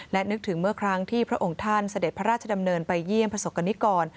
และนึกถึงเมื่อครั้งที่พระองค์ท่านเสด็จพระราชดำเนินไปเยี่ยมประสบกรณิกร